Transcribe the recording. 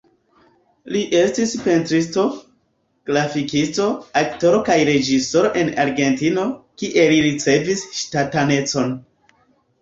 Li estis pentristo, grafikisto, aktoro kaj reĝisoro en Argentino, kie li ricevis ŝtatanecon.